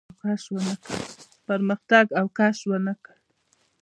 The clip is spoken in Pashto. پرمختګ او کش ونه کړ.